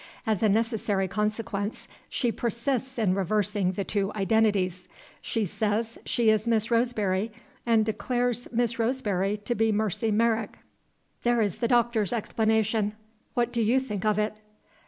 As a necessary consequence, she persists in reversing the two identities. She says she is Miss Roseberry, and declares Miss Roseberry to be Mercy Merrick. There is the doctor 's explanation. What do you think of it?"